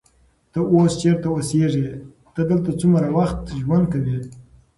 ته اوس چیرته اوسېږې؟ ته دلته څومره وخت ژوند کوې؟